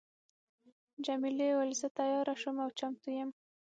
جميلې وويل: زه تیاره شوم او چمتو یم.